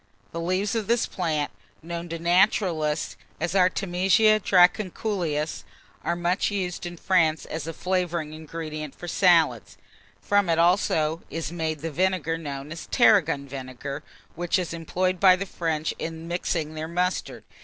The leaves of this plant, known to naturalists as Artemisia dracunculus, are much used in France as a flavouring ingredient for salads. From it also is made the vinegar known as tarragon vinegar, which is employed by the French in mixing their mustard.